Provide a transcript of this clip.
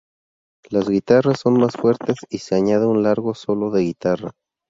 Las guitarras son más fuertes y se añade un largo solo de guitarra.